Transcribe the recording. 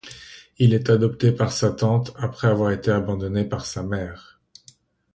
Il est adopté par sa tante, après avoir été abandonné par sa mère.